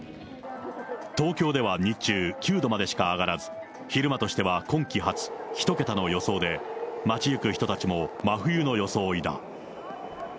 東京では日中９度までしか上がらず、昼間としては今季初、１桁の予想で、街行く人たちも真冬の装いだ。